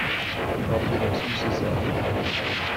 Haben wir noch süße Sahne?